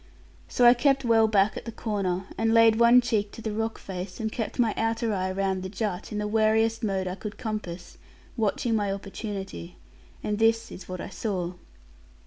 So I kept well back at the corner, and laid one cheek to the rock face, and kept my outer eye round the jut, in the wariest mode I could compass, watching my opportunity: and this is what I saw.